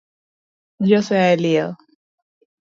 Ji osea eliel